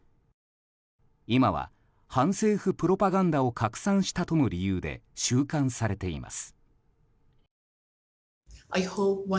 今は、反政府プロパガンダを拡散したとの理由で収監されています。